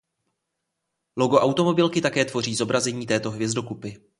Logo automobilky také tvoří zobrazení této hvězdokupy.